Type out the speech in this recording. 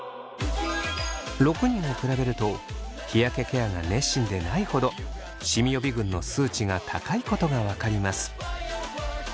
６人を比べると日焼けケアが熱心でないほどシミ予備軍の数値が高いことが分かります。